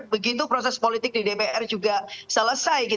begitu proses politik di dpr juga selesai